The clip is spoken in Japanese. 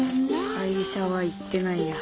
会社は行ってないや。